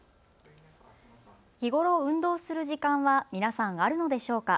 日頃、運動する時間は皆さん、あるのでしょうか。